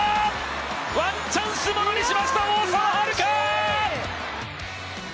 ワンチャンス、ものにしました、大澤春花！